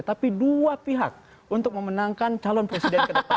tapi dua pihak untuk memenangkan calon presiden ke depan